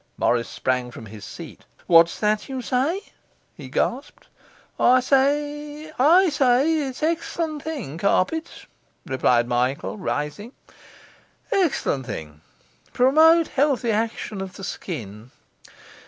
Morris sprang from his seat. 'What's that you say?' he gasped. 'I say it's exc'lent thing carpet,' replied Michael, rising. 'Exc'lent thing promote healthy action of the skin.